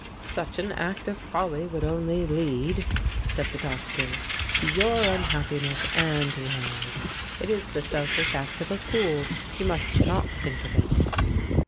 "Such an act of folly would only lead," said the Doctor, "to your unhappiness and to hers. It is the selfish act of a fool. You must not think of it."